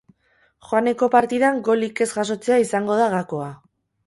Joaneko partidan golik ez jasotzea izango da gakoa.